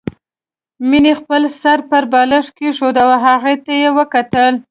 مينې خپل سر پر بالښت کېښود او هغوی ته يې وکتل